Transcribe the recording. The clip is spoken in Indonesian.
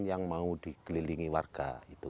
yang mau dikelilingi warga